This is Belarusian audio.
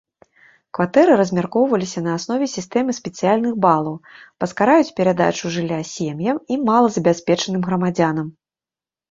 Кватэры размяркоўваліся на аснове сістэмы спецыяльных балаў, паскараюць перадачу жылля сем'ям і малазабяспечаным грамадзянам.